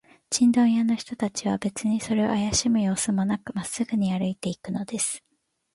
チンドン屋の人たちは、べつにそれをあやしむようすもなく、まっすぐに歩いていくのです。